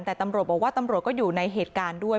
แต่ตำรวจบอกว่าตำรวจก็อยู่ในเหตุการณ์ด้วย